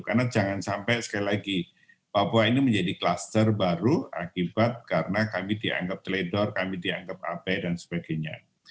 karena jangan sampai sekali lagi papua ini menjadi cluster baru akibat karena kami dianggap teledor kami dianggap ap dan sebagainya